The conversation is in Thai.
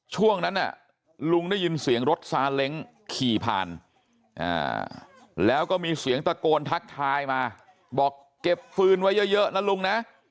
ช่วงนั้นลุงได้ยินเสียงรถซาเล้งขี่ผ่านแล้วก็มีเสียงตะโกนทักทายมาบอกเก็บฟืนไว้เยอะนะลุงนะ